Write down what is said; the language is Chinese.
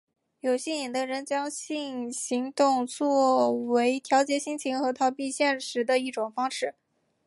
有性瘾的人将性行动作为调节心情和逃避现实的一种方式。